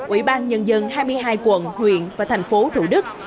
ủy ban nhân dân hai mươi hai quận huyện và thành phố thủ đức